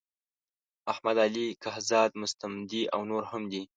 احمد علی کهزاد مستمندي او نور هم دي.